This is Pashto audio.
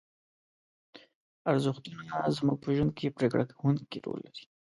ارزښتونه زموږ په ژوند کې پرېکړه کوونکی رول لري.